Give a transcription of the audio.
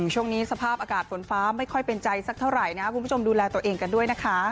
ช่วงนี้สภาพอากาศฝนฟ้าไม่ค่อยเป็นใจสักเท่าไหร่นะคุณผู้ชมดูแลตัวเองกันด้วยนะคะ